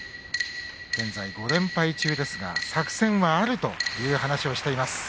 現在５連敗中ですが作戦はあるという話をしています。